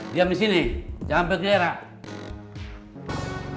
diam disini jangan bergerak